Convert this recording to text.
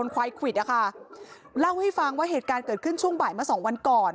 เล่าให้ฟังว่าเหตุการณ์เกิดขึ้นช่วงบ่ายมา๒วันก่อน